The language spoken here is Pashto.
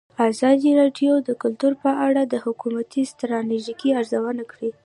ازادي راډیو د کلتور په اړه د حکومتي ستراتیژۍ ارزونه کړې.